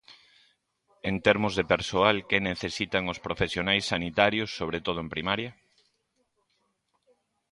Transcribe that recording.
En termos de persoal, ¿que necesitan os profesionais sanitarios sobre todo en primaria?